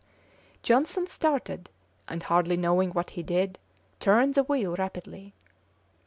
Johnson started, and, hardly knowing what he did, turned the wheel rapidly.